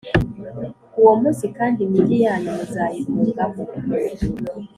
Uwo munsi kandi, imigi yanyu muzayihungamo,